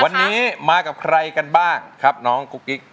วันนี้มากับใครกันบ้างครับน้องกุ๊กกิ๊ก